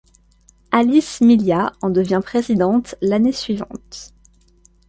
Alice Milliat en devient présidente l'année suivante.